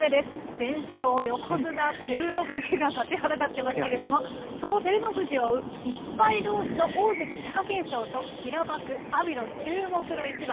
全勝横綱・照ノ富士が立ちはだかってますけれども、その照ノ富士を追う１敗どうしの大関・貴景勝と、平幕、阿炎の注目の一番。